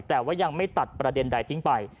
แต่ว่ายังไม่ตัดประเด็นใดทิ้งไป